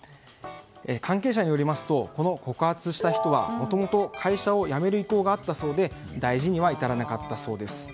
関係者によりますとこの告発した人はもともと会社を辞める意向があったそうで大事には至らなかったそうです。